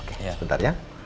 oke sebentar ya